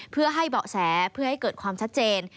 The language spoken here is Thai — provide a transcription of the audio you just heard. เพื่อให้เบาะแสเพื่อให้เกิดความชัดเจน